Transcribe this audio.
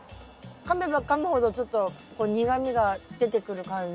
かめばかむほどちょっと苦みが出てくる感じ？